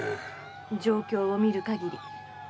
状況を見る限り。